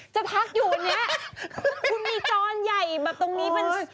จะพักอยู่วันนี้คุณมีจรใหญ่แบบตรงนี้เป็น